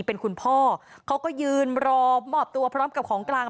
เป็นคุณพ่อเขาก็ยืนรอมอบตัวพร้อมกับของกลาง